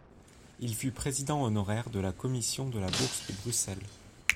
Il fut président honoraire de la Commission de la Bourse de Bruxelles.